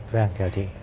vâng chào chị